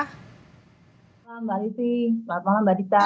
selamat malam mbak dita